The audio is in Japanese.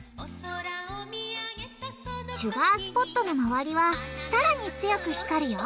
シュガースポットのまわりはさらに強く光るよ。